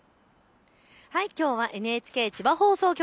きょうはＮＨＫ千葉放送局